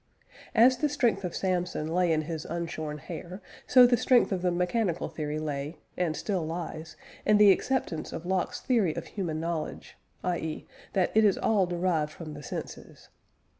As the strength of Samson lay in his unshorn hair, so the strength of the mechanical theory lay, and still lies, in the acceptance of Locke's theory of human knowledge, i.e. that it is all derived from the senses.